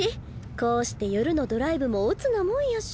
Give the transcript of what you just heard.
こうして夜のドライブも乙なもんやし。